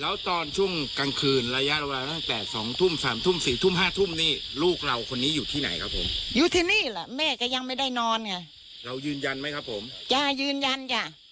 แล้วตอนช่วงกลางคืนระยะเวลาตั้งแต่สองทุ่มสามทุ่มสี่ทุ่มห้าทุ่มนี่ลูกเราคนนี้อยู่ที่ไหนครับผมอยู่ที่นี่แหละแม่ก็ยังไม่ได้นอนไงเรายืนยันไหมครับผมจ้ะยืนยันจ้ะ